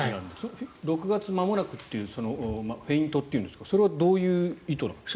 ６月まもなくというフェイントというんですかそれはどういう意図なんですか？